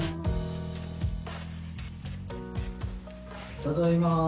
ただいま。